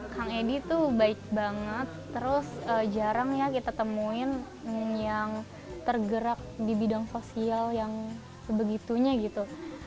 kang edi tuh baik banget terus jarang ya kita temuin yang tergerak di bidang sosial yang sebegitunya gitu